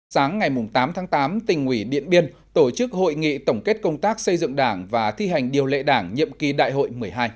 sáng ngày tám tháng tám tỉnh ủy điện biên tổ chức hội nghị tổng kết công tác xây dựng đảng và thi hành điều lệ đảng nhiệm kỳ đại hội một mươi hai